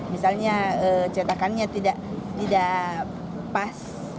misalnya cetakannya tidak pas